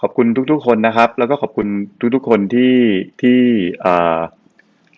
ขอบคุณทุกทุกคนนะครับแล้วก็ขอบคุณทุกทุกคนที่ที่อ่า